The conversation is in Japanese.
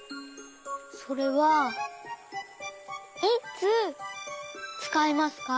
それはいつつかいますか？